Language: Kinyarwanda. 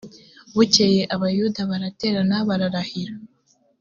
bukeye abayuda baraterana bararahira